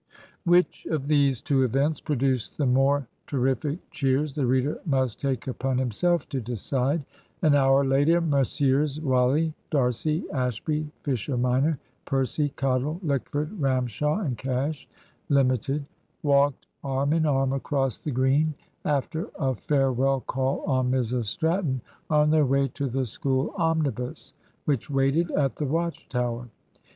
Which of these two events produced the more terrific cheers the reader must take upon himself to decide. An hour later, Messrs. Wally, D'Arcy, Ashby, Fisher minor, Percy, Cottle, Lickford, Ramshaw, and Cash, limited, walked arm in arm across the Green, after a farewell call on Mrs Stratton, on their way to the School omnibus, which waited at the Watch Tower.